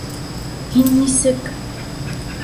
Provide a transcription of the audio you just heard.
Һин нисек...